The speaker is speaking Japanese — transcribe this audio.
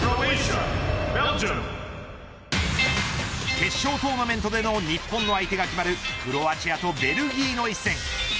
決勝トーナメントでの日本の相手が決まるクロアチアとベルギーの一戦。